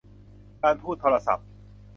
การพูดโทรศัพท์